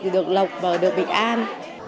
được lộc và được bị an